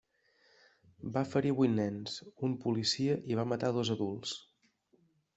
Va ferir vuit nens, un policia i va matar dos adults.